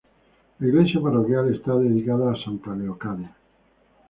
La iglesia parroquial está dedicada a santa Leocadia.